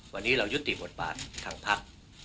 วันนี้เรายุติบทบาททางพัก